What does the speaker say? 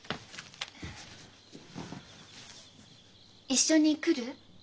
一緒に来る？